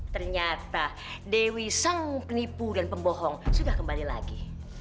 ternyata dewi sang penipu dan pembohong sudah kembali lagi